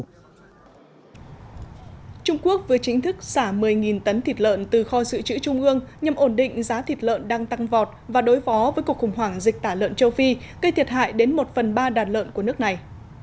trung quốc vừa chính thức xả một mươi tấn thịt lợn từ kho dự trữ trung ương nhằm ổn định giá thịt lợn đang tăng vọt và đối phó với cuộc khủng hoảng dịch tả lợn châu phi gây thiệt hại đến một phần ba đàn lợn của nước này